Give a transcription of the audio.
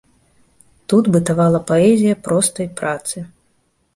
Тут бытавала паэзія простай працы.